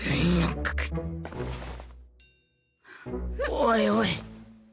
おいおい